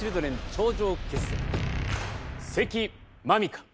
頂上決戦関真美か